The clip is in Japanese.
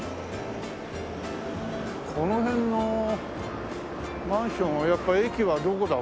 この辺のマンションはやっぱ駅はどこだ？